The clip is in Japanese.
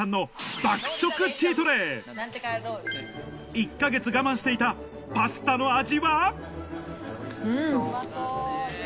１か月我慢していたパスタの味は？